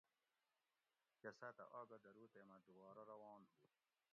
کٞہ ساٞتہ آگہ درُو تے مٞہ دوبارہ روان ہُو